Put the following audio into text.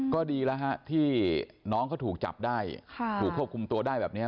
ก็ดีแล้วฮะที่น้องเขาถูกจับได้ถูกควบคุมตัวได้แบบนี้